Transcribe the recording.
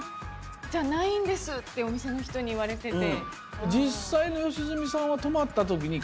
ってお店の人に言われてて。